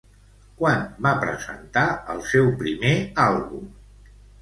Quan va presentar el seu primer àlbum?